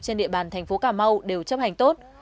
trên địa bàn thành phố cà mau đều chấp hành tốt